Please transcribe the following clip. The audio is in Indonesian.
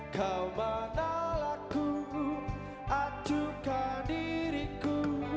kau menolakku acukan diriku